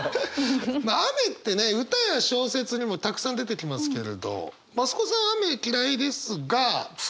雨ってね歌や小説にもたくさん出てきますけれど増子さん雨嫌いですが歌詞で使うことあるんですか？